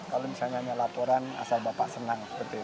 kalau misalnya hanya laporan asal bapak senang